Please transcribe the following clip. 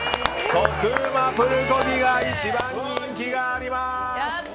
特うまプルコギが一番人気があります！